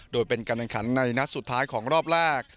โดยเป็นการแข่งขันในนัดสุดท้ายของรอบแรก